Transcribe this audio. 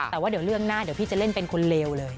แต่ว่าเดี๋ยวเรื่องหน้าพี่จะเป็นคนเลวเลย